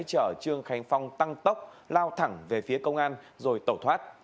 chở trương khánh phong tăng tốc lao thẳng về phía công an rồi tẩu thoát